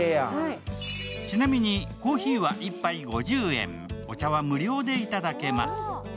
ちなみにコーヒーは１杯５０円、お茶は無料でいただけます。